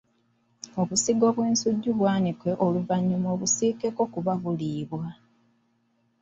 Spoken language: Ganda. Obusigo bw'ensujju bwanike oluvannyuma obusiikeko kuba buliibwa.